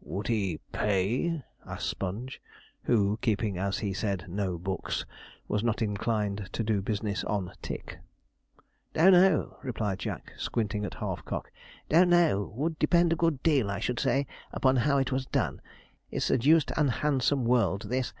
'Would he pay?' asked Sponge, who, keeping as he said, 'no books,' was not inclined to do business on 'tick.' 'Don't know,' replied Jack, squinting at half cock; 'don't know would depend a good deal, I should say, upon how it was done. It's a deuced unhandsome world this.